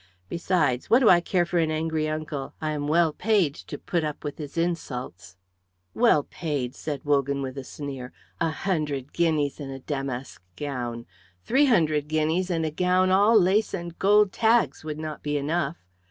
Besides, what do I care for an angry uncle! I am well paid to put up with his insults." "Well paid!" said Wogan, with a sneer. "A hundred guineas and a damask gown! Three hundred guineas and a gown all lace and gold tags would not be enough.